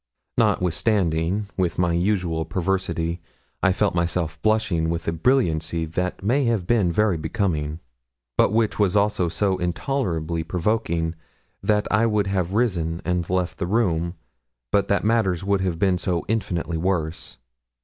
Notwithstanding, with my usual perversity, I felt myself blushing with a brilliancy that may have been very becoming, but which was so intolerably provoking that I would have risen and left the room but that matters would have been so infinitely worse.